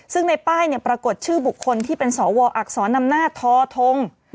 ซึ่งในป้ายปรากฏชื่อบุคคลที่เป็นสวอักษรนำหน้าทอทง